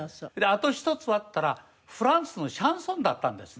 あと一つはっていったらフランスのシャンソンだったんですね。